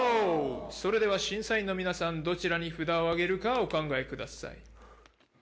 それでは審査員の皆さん、どちらに札を上げるかお考えください。